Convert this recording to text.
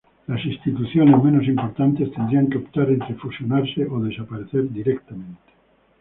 Las instituciones menos importantes tendrían que optar entre fusionarse o desaparecer directamente.